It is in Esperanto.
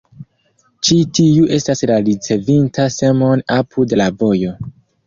Ĉi tiu estas la ricevinta semon apud la vojo.